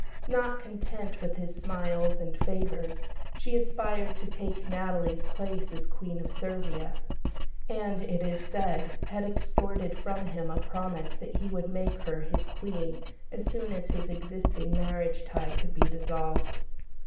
Not content with his smiles and favours she aspired to take Natalie's place as Queen of Servia; and, it is said, had extorted from him a promise that he would make her his Queen as soon as his existing marriage tie could be dissolved.